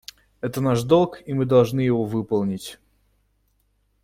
Это наш долг, и мы должны его выполнить.